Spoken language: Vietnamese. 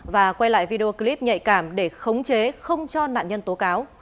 và quay lại video clip nhạy cảm để khống chế không cho nạn nhân tố cáo